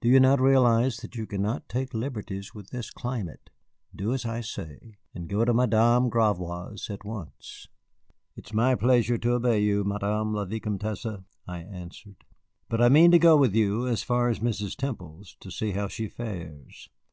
Do you not realize that you cannot take liberties with this climate? Do as I say, and go to Madame Gravois's at once." "It is my pleasure to obey you, Madame la Vicomtesse," I answered, "but I mean to go with you as far as Mrs. Temple's, to see how she fares.